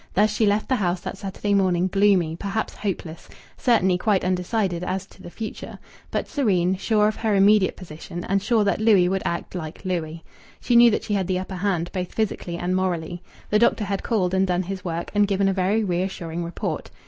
Thus she left the house that Saturday morning gloomy, perhaps hopeless, certainly quite undecided as to the future, but serene, sure of her immediate position, and sure that Louis would act like Louis. She knew that she had the upper hand, both physically and morally. The doctor had called and done his work, and given a very reassuring report.